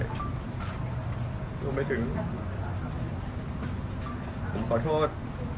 รวมไปถึงผมขอโทษ